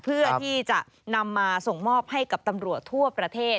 เพื่อที่จะนำมาส่งมอบให้กับตำรวจทั่วประเทศ